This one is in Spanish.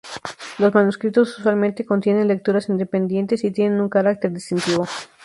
Los manuscritos usualmente contienen lecturas independientes, y tienen un carácter distintivo.